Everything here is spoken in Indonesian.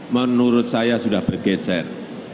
menurut saya sudah bergeser